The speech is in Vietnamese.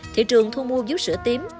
thị trường thu mua dũ sữa tím